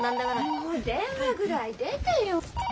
☎もう電話ぐらい出てよ。